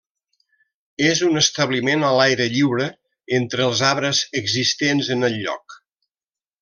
És un establiment a l'aire lliure, entre els arbres existents en el lloc.